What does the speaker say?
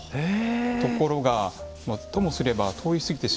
ところがともすれば通り過ぎてしまう。